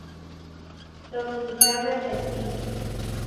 Dominicana de Haiti.